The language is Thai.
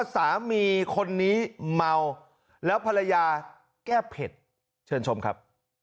สามีคนนี้เมาแล้วภรรยาแก้เผ็ดเชิญชมครับ